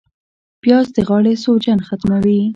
پیاز د غاړې سوجن ختموي